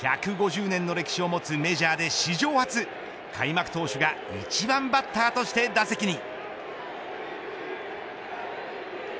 １５０年の歴史を持つメジャーで史上初、開幕投手が１番バッターとして打席に。